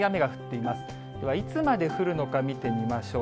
いつまで降るのか見てみましょう。